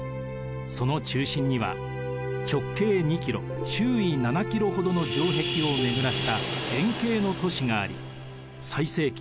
その中心には直径２キロ周囲７キロほどの城壁を巡らした円形の都市があり最盛期